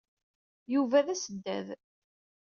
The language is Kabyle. Yuba d asdad.